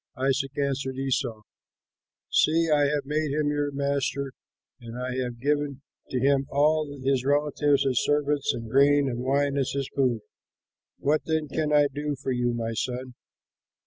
Isaac answered Esau, "See, I have made him your master and I have given to him all his relatives as servants and grain and wine as his food. What then can I do for you, my son?"